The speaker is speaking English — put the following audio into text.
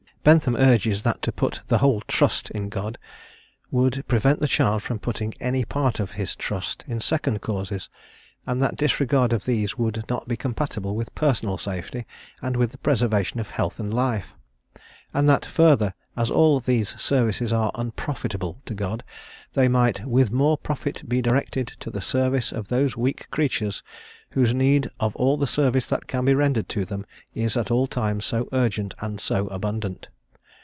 Bentham urges that to put the "whole trust" in God would prevent the child from putting "any part of his trust" in second causes, and that disregard of these would not be compatible with personal safety and with the preservation of health and life; and that further, as all these services are "unprofitable" to God, they might "with more profit be directed to the service of those weak creatures, whose need of all the service that can be rendered to them is at all times so urgent and so abundant."